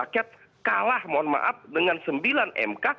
rakyat kalah dengan sembilan mk